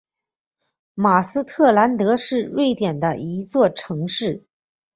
马斯特兰德是瑞典的一座城市。